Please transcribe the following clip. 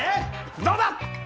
どうだ！